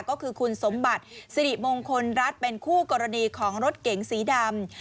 ก็คือคุณสมบัติสิริมงคลรัฐเป็นคู่กรณีของรถเก๋งสีดำ